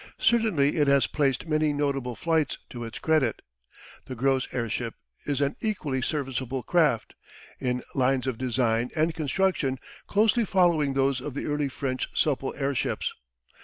Certainly it has placed many notable flights to its credit. The Gross airship is an equally serviceable craft, its lines of design and construction closely following those of the early French supple airships.